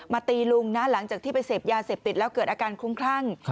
ตีลุงนะหลังจากที่ไปเสพยาเสพติดแล้วเกิดอาการคลุ้มคลั่ง